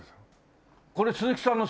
これ鈴木さんのあれ？